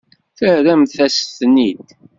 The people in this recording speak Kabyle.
Terramt-as-ten-id.